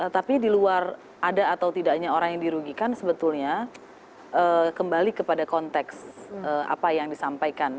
tapi di luar ada atau tidaknya orang yang dirugikan sebetulnya kembali kepada konteks apa yang disampaikan